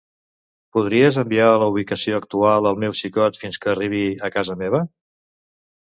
Podries enviar la ubicació actual al meu xicot fins que arribi a casa meva?